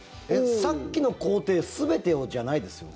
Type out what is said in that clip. さっきの工程全てをじゃないですよね？